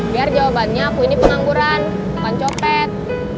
biar jawabannya aku ini pengangguran bukan copet